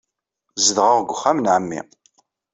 Zedɣeɣ deg uxxam n ɛemmi.